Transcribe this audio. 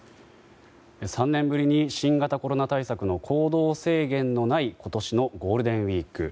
３年ぶりに新型コロナ対策の行動制限のない今年のゴールデンウィーク。